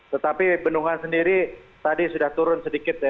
tetapi bendungan sendiri tadi sudah turun sedikit ya